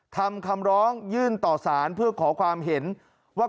คำร้องยื่นต่อสารเพื่อขอความเห็นว่า